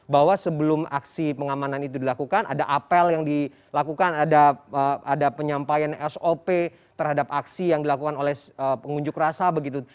bahwa sebelum aksi pengamanan itu dilakukan ada apel yang dilakukan ada penyampaian sop terhadap aksi yang dilakukan oleh pengunjuk rasa begitu